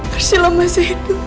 arshila masih hidup